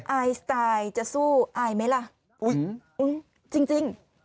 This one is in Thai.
ไอสไตล์จะสู้อายไหมล่ะจริง